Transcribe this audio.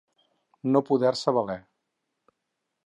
No poder-se valer.